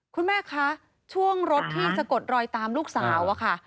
คุณแม่คะช่วงรถที่สะกดรอยตามลูกสาวอะค่ะ